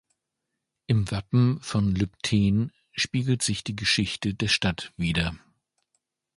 Im Wappen von Lübtheen spiegelt sich die Geschichte der Stadt wider.